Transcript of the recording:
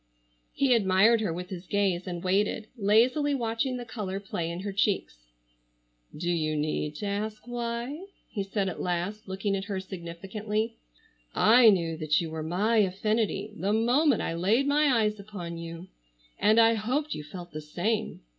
He admired her with his gaze, and waited, lazily watching the color play in her cheeks. "Do you need to ask why?" he said at last, looking at her significantly. "I knew that you were my affinity the moment I laid my eyes upon you, and I hoped you felt the same.